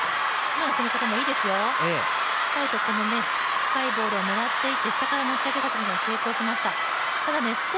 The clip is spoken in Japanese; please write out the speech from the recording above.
深いボールを狙っていって、下から持ち上げさすのには成功しました。